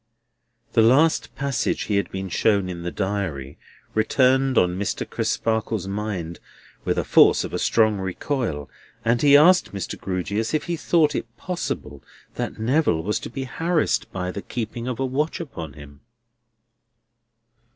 The last passage he had been shown in the Diary returned on Mr. Crisparkle's mind with the force of a strong recoil, and he asked Mr. Grewgious if he thought it possible that Neville was to be harassed by the keeping of a watch upon him?